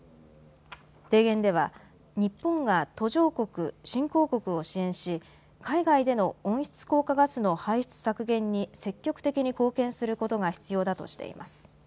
提言では日本が途上国・新興国を支援し海外での温室効果ガスの排出削減に積極的に貢献することが必要だとしています。